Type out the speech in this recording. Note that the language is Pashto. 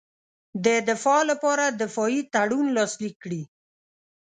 د دفاع لپاره دفاعي تړون لاسلیک کړي.